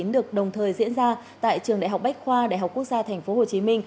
được đồng thời diễn ra tại trường đại học bách khoa đại học quốc gia tp hcm